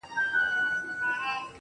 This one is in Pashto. زما خبري خدايه بيرته راکه ,